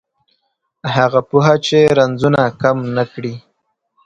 هغه پوهه چې رنځونه کم نه کړي